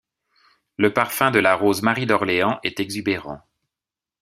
Le parfum de la rose 'Marie d'Orléans' est exubérant.